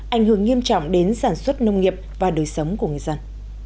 ảnh hưởng nghiêm trọng đến sản xuất nông nghiệp và đời sống của người dân